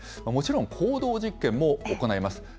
もちろん公道実験も行います。